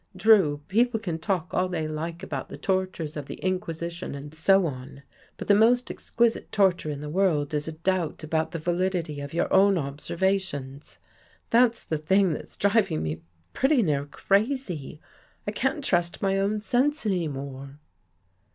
Drew, people can talk all they like about the tortures of the Inquisition and so on, but the most exquisite torture in the world is a doubt about the validity of your own observations. That's the thing that's driving me — pretty near crazy. I can't trust my own sense any more."